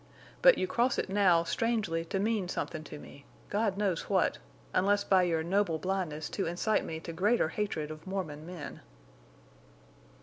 But you cross it now strangely to mean somethin' to me—God knows what!—unless by your noble blindness to incite me to greater hatred of Mormon men."